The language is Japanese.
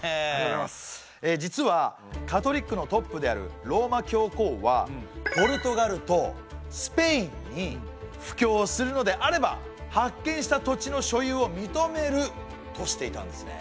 実はカトリックのトップであるローマ教皇はポルトガルとスペインに布教するのであれば発見した土地の所有を認めるとしていたんですね。